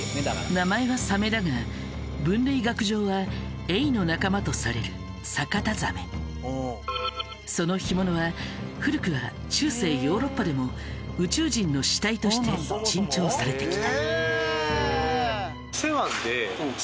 名前はサメだが分類学上はその干物は古くは中世ヨーロッパでも宇宙人の死体として珍重されてきた。